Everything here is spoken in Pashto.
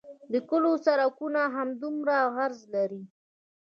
د کلیو سرکونه هم همدومره عرض لري